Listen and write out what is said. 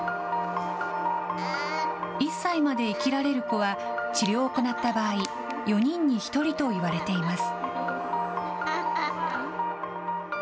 １歳まで生きられる子は治療を行った場合、４人に１人といわれています。